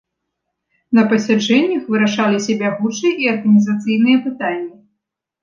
На пасяджэннях вырашаліся бягучыя і арганізацыйныя пытанні.